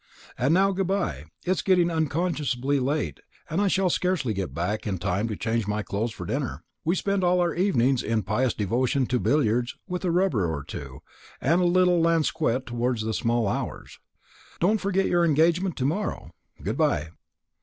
And now, good bye. It's getting unconscionably late, and I shall scarcely get back in time to change my clothes for dinner. We spend all our evenings in pious devotion to billiards, with a rubber or two, or a little lansquenet towards the small hours. Don't forget your engagement to morrow; good bye."